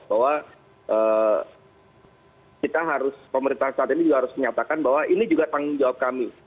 jadi kita harus pemerintahan saat ini juga harus menyatakan bahwa ini juga tanggung jawab kami